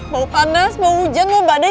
mau panas mau hujan mau badai